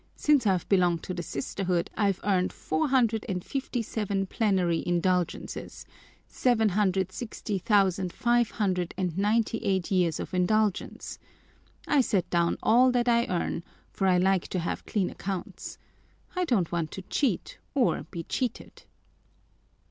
Since I've belonged to the Sisterhood I've earned four hundred and fifty seven plenary indulgences, seven hundred sixty thousand five hundred and ninety eight years of indulgence. I set down all that I earn, for I like to have clean accounts. I don't want to cheat or be cheated."